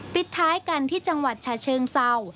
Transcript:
ปิดท้ายกันที่จังหวัดฉะเชิงเศร้า